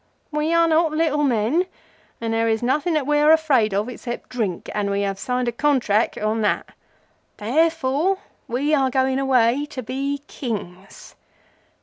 We are not little men, and there is nothing that we are afraid of except Drink, and we have signed a Contrack on that. Therefore, we are going away to be Kings."